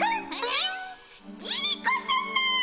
ギリ子さま！